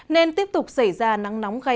nên tiếp tục xảy ra nắng nóng gai